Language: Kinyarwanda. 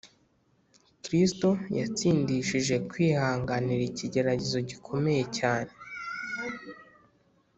Kristo yatsindishije kwihanganira ikigeragezo gikomeye cyane